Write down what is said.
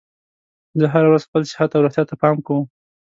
زه هره ورځ خپل صحت او روغتیا ته پام کوم